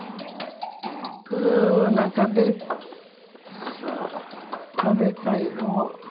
この中でさあ食べたいのを。